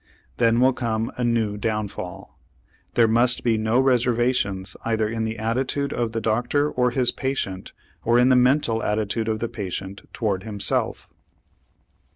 Then will come a new downfall. There must be no reservations either in the attitude of the doctor or his patient or in the mental attitude of the patient toward himself.